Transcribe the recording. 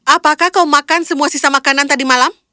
apakah kau makan semua sisa makanan tadi malam